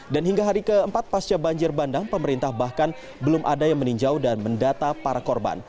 dan hingga hari keempat pasca banjir bandang pemerintah bahkan belum ada yang meninjau dan mendata para korban